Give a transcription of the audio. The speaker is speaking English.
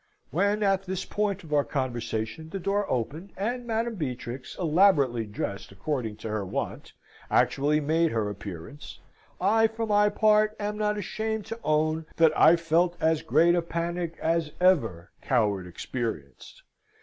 When at this point of our conversation the door opened, and Madame Beatrix, elaborately dressed according to her wont, actually made her appearance, I, for my part, am not ashamed to own that I felt as great a panic as ever coward experienced.